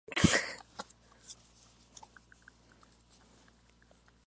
Tate estudió el desprendimiento de una gota de un tubo capilar.